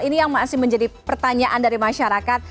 ini yang masih menjadi pertanyaan dari masyarakat